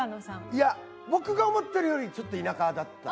いや僕が思ってるよりちょっと田舎だった。